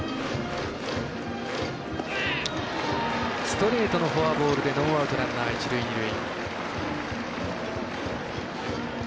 ストレートのフォアボールでノーアウト、ランナー、一塁二塁。